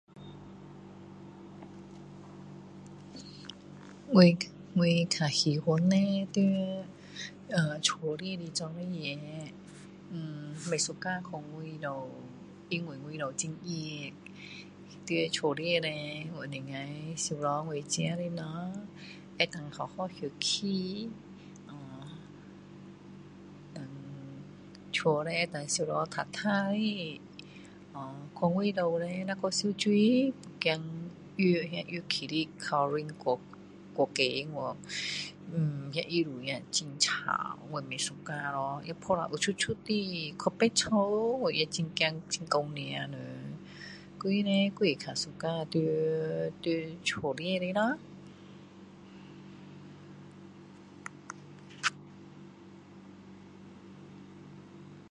我我较喜欢叻在屋里做事情erm不suka去外面因为外面很热在屋里叻我能够收拾我自己的东西可以好好休息啊dan家叻dan收拾净净的啊去外面叻nah去游泳怕药那药味道chlorine过高woh erm那味道那很臭我不suka又晒了黑出出的去拔草我也很怕很痒人 所以叻还是较喜欢在屋子里咯